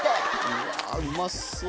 うわうまそう。